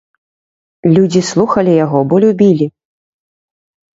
Людзі слухалі яго, бо любілі.